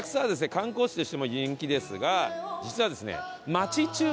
観光地としても人気ですが実はですね。